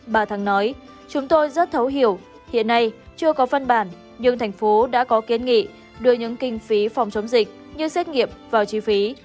bà thăng nói chúng tôi rất thấu hiểu hiện nay chưa có văn bản nhưng thành phố đã có kiến nghị đưa những kinh phí phòng chống dịch như xét nghiệm vào chi phí